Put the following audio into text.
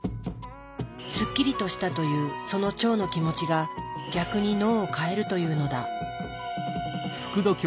すっきりとしたというその腸の気持ちが逆に脳を変えるというのだ。